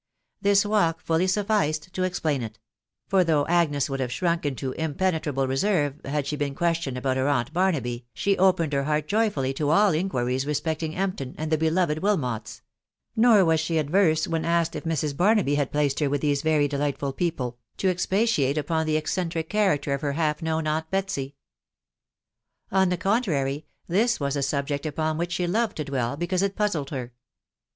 This walk fu% sufficed to explain it; for though Agnes w*«4d have .shruak into impenetrable reserve shadehe been questioned ebostt heraumt JBarnaby, she opened her heoil/jtyfally to<dl inquiries gaipectuqr, Empton, and the beloved Wilmots ; nor was she averse, when .asked if Mrs. fiaroadgr had placed her with these very delightful people, to expatiate upon the eccentric character of her half known aunt Betsy. On the contrary, this was a subject upon which she loved to dwell, because it puuded her.